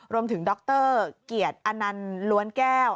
รวมถึงดรเกียรติอนันต์ล้วนแก้ว